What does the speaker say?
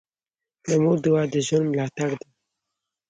د مور دعا د ژوند ملاتړ ده.